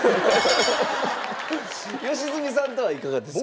良純さんとはいかがですか？